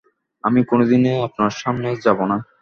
আমি কোনোদিনই আপনার সামনে যাব না।